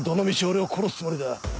俺を殺すつもりだ。